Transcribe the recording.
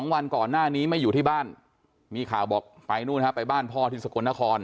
วันก่อนหน้านี้ไม่อยู่ที่บ้านมีข่าวบอกไปนู่นฮะไปบ้านพ่อที่สกลนคร